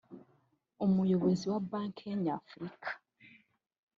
umuyobozi wa Banki nyafurika